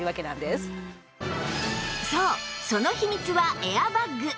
そうその秘密はエアバッグ